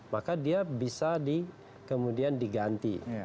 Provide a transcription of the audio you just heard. maka dia bisa kemudian diganti